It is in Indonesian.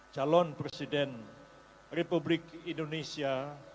calon presiden republik indonesia